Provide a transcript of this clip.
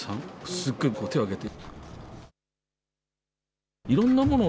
すっごい、手を上げて。